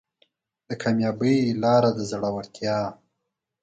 د کامیابۍ لاره د زړورتیا